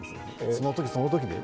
そのとき、そのときで。